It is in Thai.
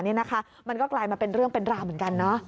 มันก็มากลายเป็นเรื่องเป็นราเหมือนกันเนาะ